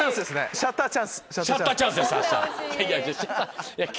シャッターチャンスです明日！